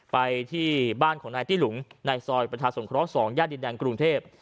ไปที่บ้านของนายตี้หลุงนายซอยประธาสนครสองญาติดแดงกรุงเทพฯ